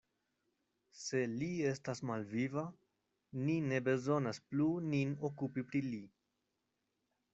Se li estas malviva, ni ne bezonas plu nin okupi pri li.